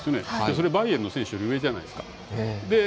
それはバイエルンの選手より上じゃないですか。